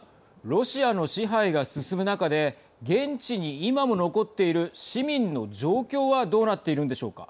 ロシアの支配が進む中で現地に今も残っている市民の状況はどうなっているんでしょうか。